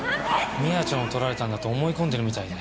美亜ちゃんを盗られたんだと思い込んでるみたいで。